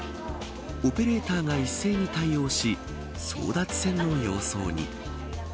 オペレーターが一斉に対応し争奪戦の様相に。